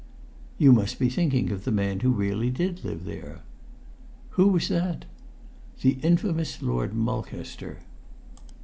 "You must be thinking of the man who really did live there." "Who was that?" "The infamous Lord Mulcaster."